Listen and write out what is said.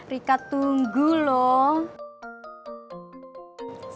rika tunggu loh